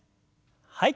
はい。